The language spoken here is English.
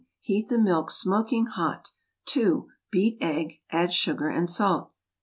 Heat the milk smoking hot. 2. Beat egg. Add sugar and salt. 3.